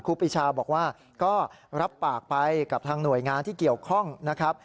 ครูปีชาบอกว่าก็รับปากไปกับทางหน่วยงานที่เกี่ยวข้องนะครับ